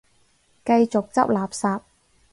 繼續執垃圾